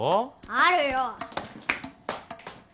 あるよ。